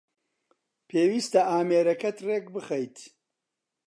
پێویستە ئامێرەکەت رێک بخەیت